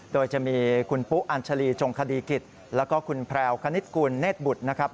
โดยจะมีคุณปุ๊อัญชาลีจงคดีกิจแล้วก็คุณแพรวคณิตกุลเนธบุตรนะครับ